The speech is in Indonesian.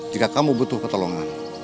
jika kamu butuh pertolongan